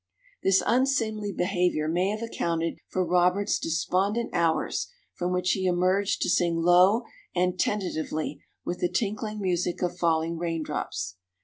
This unseemly behavior may have accounted for Robert's despondent hours from which he emerged to sing low and tentatively with the tinkling music of falling raindrops.